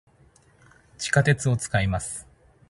地下鉄を、使います。